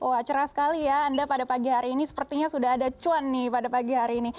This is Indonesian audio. wah cerah sekali ya anda pada pagi hari ini sepertinya sudah ada cuan nih pada pagi hari ini